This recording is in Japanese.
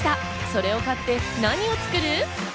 それを買って何を作る。